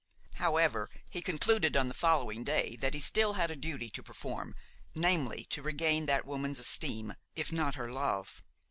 However, he concluded on the following day that he still had a duty to perform, namely, to regain that woman's esteem, if not her love.